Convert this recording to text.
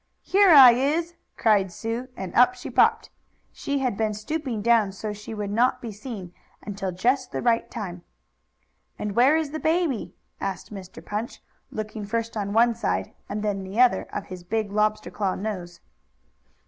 "Here I is!" cried Sue, and up she popped. She had been stooping down so she would not be seen until just the right time. "And where is the baby?" asked Mr. Punch, looking first on one side and then the other, of his big lobster claw nose.